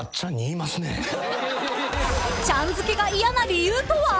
［ちゃんづけが嫌な理由とは？］